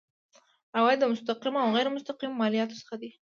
عواید د مستقیمو او غیر مستقیمو مالیاتو څخه دي.